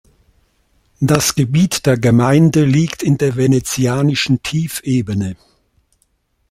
Das Gebiet der Gemeinde liegt in der Venezianischen Tiefebene.